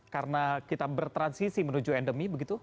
karena kita bertransisi menuju endemi begitu